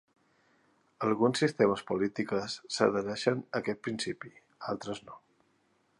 Alguns sistemes polítiques s'adhereixen a aquest principi, altres no.